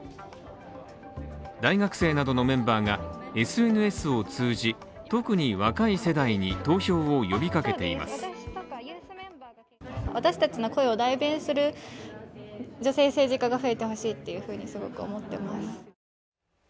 大学生などのメンバーがＳＮＳを通じ、特に若い世代に投票を呼びかけています。